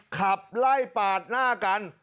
ขับไล่ปาดหน้ากัน